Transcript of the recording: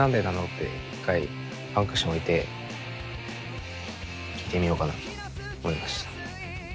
って一回ワンクッション置いて聞いてみようかなと思いました。